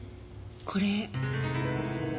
これ。